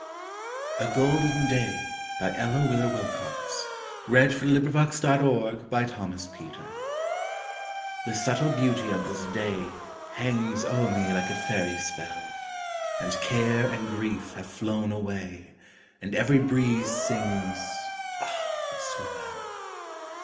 A Golden Day An Ella Wheeler Wilcox Poem A GOLDEN DAY The subtle beauty of this day Hangs o'er me like a fairy spell, And care and grief have flown away, And every breeze sings, "All is well."